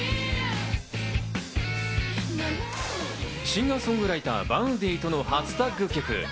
シンガー・ソングライター、Ｖａｕｎｄｙとの初タッグ曲。